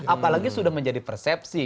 apalagi sudah menjadi persepsi